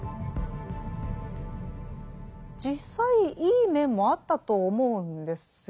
実際いい面もあったと思うんですよ。